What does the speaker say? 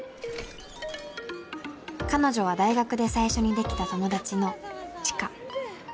彼女は大学で最初にできた友達の千佳